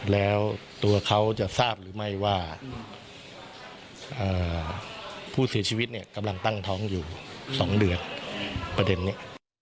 แล้วตัวเขาจะทราบหรือไม่ว่าผู้เสียชีวิตเนี่ยกำลังตั้งท้องอยู่๒เดือนประเด็นนี้